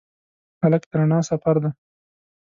هلک د رڼا سفر دی.